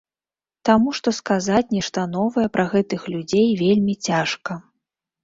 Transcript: Таму што сказаць нешта новае пра гэтых людзей вельмі цяжка.